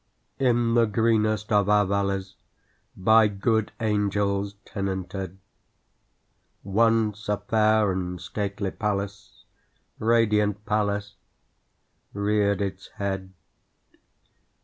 In the greenest of our valleys By good angels tenanted, Once a fair and stately palace Radiant palace reared its head.